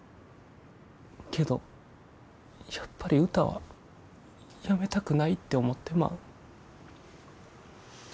けどやっぱり歌はやめたくないって思ってまう。